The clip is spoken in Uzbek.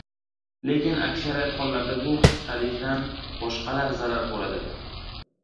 lekin aksariyat hollarda bu xastalikdan boshqalar zarar ko‘radilar.